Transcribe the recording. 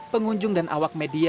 pengunjung dan awak medisnya